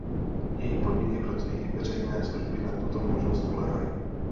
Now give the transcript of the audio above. Její podniky, pracující i veřejné služby na tuto možnost spoléhají.